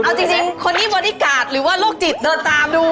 เอาจริงคนที่บอดี้การ์ดหรือว่าโรคจิตเดินตามดู